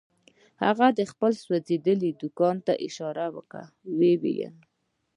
هغه خپل سوځېدلي دوکان ته اشاره وکړه او ويې ويل.